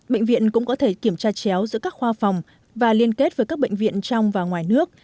bệnh viện cũng có thể kiểm tra chéo giữa các khoa phòng và liên kết với các bệnh viện trong và ngoài nước